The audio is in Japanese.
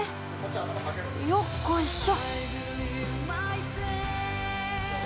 よっこいしょ！